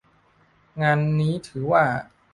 งานนี้ถือว่า